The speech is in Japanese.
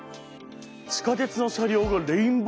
地下鉄の車両がレインボーカラー。